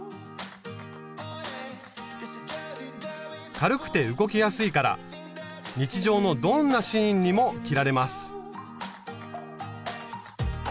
軽くて動きやすいから日常のどんなシーンにも着られます。